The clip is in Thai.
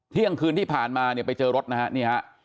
เที่ยงคืนที่ผ่านมาเนี่ยไปเจอรถนะฮะนี่ฮะ